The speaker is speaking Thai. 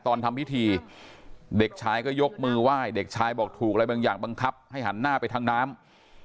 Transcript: ตอนทำพิธีเด็กชายก็ยกมือไหว้เด็กชายบอกถูกอะไรบางอย่างบังคับให้หันหน้าไปทางน้ำ